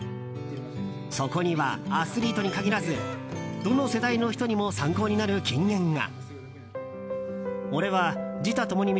そこには、アスリートに限らずどの世代の人にも参考になる金言が。